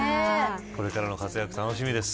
これからの活躍、楽しみです。